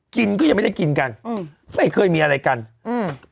กินก็ยังไม่ได้กินกันอืมไม่เคยมีอะไรกันอืม